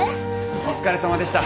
お疲れさまでした。